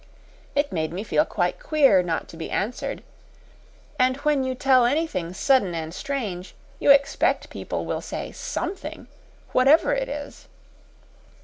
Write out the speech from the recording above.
It made me feel quite queer not to be answered; and when you tell anything sudden and strange, you expect people will say SOMETHING whatever it is."